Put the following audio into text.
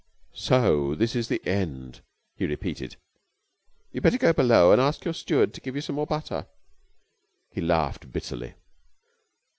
"So this is the end," he repeated. "You had better go below and ask your steward to give you some more butter." He laughed bitterly.